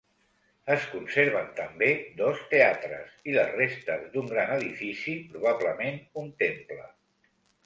Es conserven també dos teatres i les restes d'un gran edifici, probablement un temple.